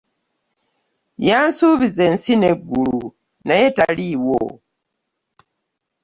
Yansubiza ensi n'eggulu, naye taliiwo.